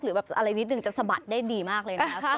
แบบอะไรนิดนึงจะสะบัดได้ดีมากเลยนะครับ